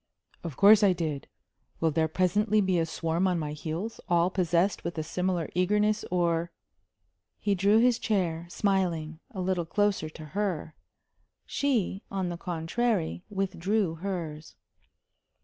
"Of course I did. Will there presently be a swarm on my heels, all possessed with a similar eagerness, or ?" He drew his chair, smiling, a little closer to her. She, on the contrary, withdrew hers.